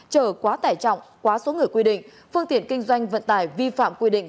chở quá tải trọng quá số người quy định phương tiện kinh doanh vận tải vi phạm quy định